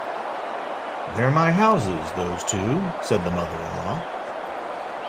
“They’re my houses, those two,” said the mother-in-law.